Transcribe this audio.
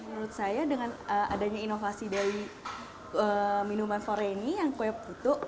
menurut saya dengan adanya inovasi dari minuman forei yang kue putu